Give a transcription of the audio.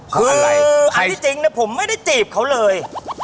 คืออันที่จริงผมไม่ได้จีบเขาเลย